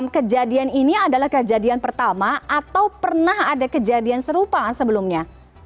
kejadian ini adalah kejadian pertama atau pernah ada kejadian serupa sebelumnya